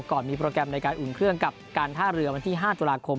ก่อนมีโปรแกรมในการอุ่นเครื่องกับการท่าเรือวันที่๕ตุลาคม